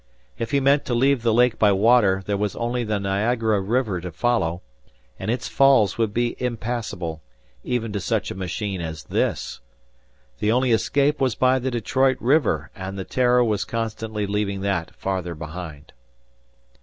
If he meant to leave the lake by water, there was only the Niagara River to follow; and its Falls would be impassable, even to such a machine as this. The only escape was by the Detroit River, and the "Terror" was constantly leaving that farther behind.